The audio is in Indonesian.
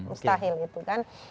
mustahil itu kan